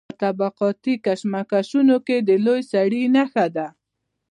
په طبقاتي کشمکشونو کې د لوی سړي نښه ده.